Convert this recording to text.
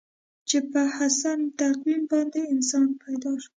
چې په احسن تقویم باندې انسان پیدا شو.